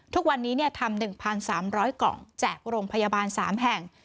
ทุกวันนี้ทำ๑๓๐๐กล่องแจกโรงพยาบาล๓แห่ง